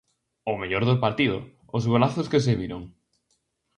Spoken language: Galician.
O mellor do partido, os golazos que se viron.